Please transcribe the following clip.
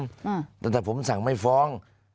ถ้างั้นพวกผู้สิทธิ์ผู้สั่งไม่ฟ้อง